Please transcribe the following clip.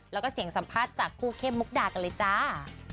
แล้วก็เสียงสัมภาษณ์จากคู่เข้มมุกดากันเลยจ้า